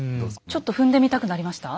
ちょっと踏んでみたくなりました？